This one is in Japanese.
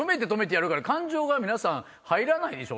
感情が皆さん入らないでしょ？